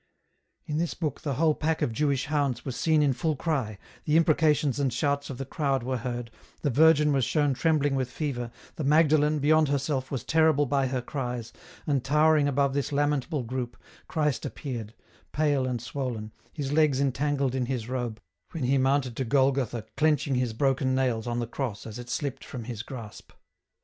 In this book the whole pack of Jewish hounds was seen in full cry, the imprecations and shouts of the crowd were heard, the Virgin was shown trembling with fever, the Magdalen, beyond herself, was terrible by her cries, and towering above this lamentable group, Christ appeared, pale and swollen, His legs entangled in His robe, when He mounted to Golgotha clenching His broken nails on the cross as it slipped from His grasp.